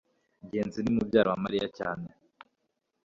ngenzi ni mubyara wa mariya cyane